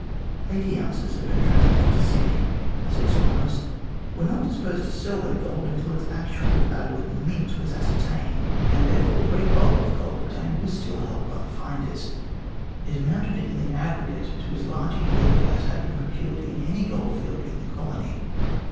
Eighty ounces had been transmitted to Sydney, but the diggers, said Sir Maurice, were not disposed to sell their gold until its actual value at the Mint was ascertained, and therefore the great 102 THE GLADSTONE COLONY bulk of the gold obtained was still held by the finders. It amounted in the aggregate to as large a yield as had been procured in any goldfield in the colony.